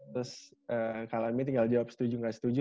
terus kak lami tinggal jawab setuju nggak setuju